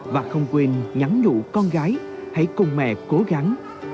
và không quên nhắn nhụ con gái hãy cùng mẹ cố gắng